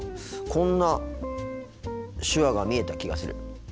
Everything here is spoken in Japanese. こんな手話が見えた気がする。